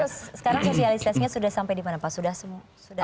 sekarang sosialitasnya sudah sampai dimana pak